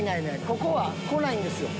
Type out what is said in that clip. ここは来ないんですよ